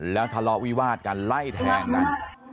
แล้วทะเลาะวิวาดกันไล่แทงกัน